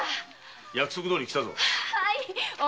約束どおり来たぞ。